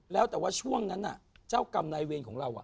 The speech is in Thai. แล้วแต่ว่าช่วงนั้นเจ้ากรรมนายเวรของเรา